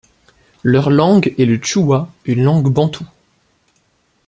Leur langue est le chewa, une langue bantoue.